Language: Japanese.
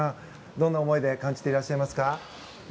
どんな思いで感じていらっしゃいますか？